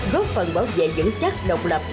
góp phần bảo vệ vững chắc độc lập